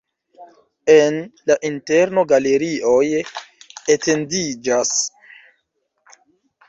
En la interno galerioj etendiĝas.